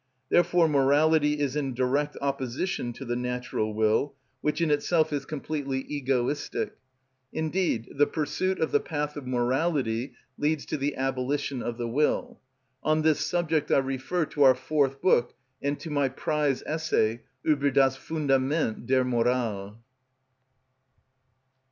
Therefore morality is in direct opposition to the natural will, which in itself is completely egoistic; indeed the pursuit of the path of morality leads to the abolition of the will. On this subject I refer to our fourth book and to my prize essay, "Ueber das Fundament der Moral."